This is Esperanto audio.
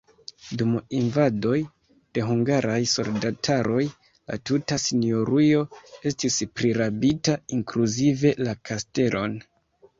Dum invadoj de hungaraj soldataroj la tuta sinjorujo estis prirabita, inkluzive la kastelon.